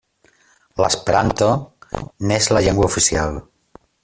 L'esperanto n'és la llengua oficial.